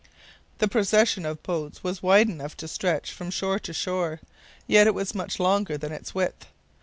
The procession of boats was wide enough to stretch from shore to shore; yet it was much longer than its width.